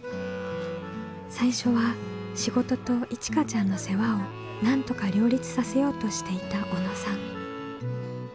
最初は仕事といちかちゃんの世話をなんとか両立させようとしていた小野さん。